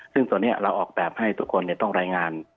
ซึ่งตัวนี้เราออกแบบให้ทุกคนต้องรายงาน